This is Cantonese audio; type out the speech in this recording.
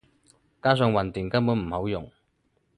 加上混電根本唔好用